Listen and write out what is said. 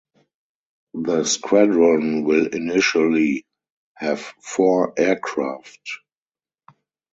The squadron will initially have four aircraft.